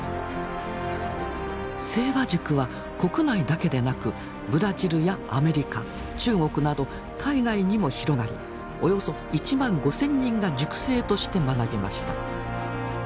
盛和塾は国内だけでなくブラジルやアメリカ中国など海外にも広がりおよそ１万５，０００人が塾生として学びました。